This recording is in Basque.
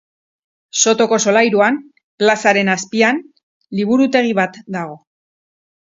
Sotoko solairuan, plazaren azpian, liburutegi bat dago.